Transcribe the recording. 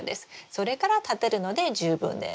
それから立てるので十分です。